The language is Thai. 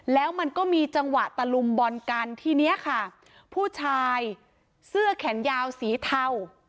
แล้วมันก็มีจังหวะตะลุมบอลกันทีเนี้ยค่ะผู้ชายเสื้อแขนยาวสีเทา